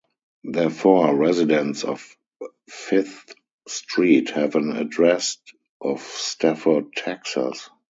Therefore, residents of Fifth Street have an address of Stafford, Texas.